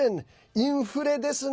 インフレですね。